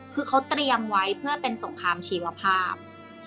คือเขาเตรียมไว้เพื่อเป็นสงครามชีวภาพ